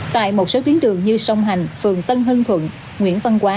tại một số tuyến đường như sông hành phường tân hương thuận nguyễn văn quá